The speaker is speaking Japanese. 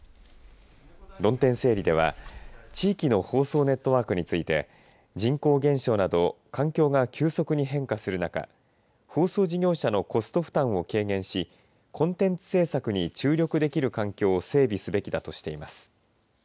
論点整理では地域の放送ネットワークについて人口減少など環境が急速に変化する中放送事業者のコスト負担を軽減しコンテンツ制作に注力できる環境を整備すべきだとしています。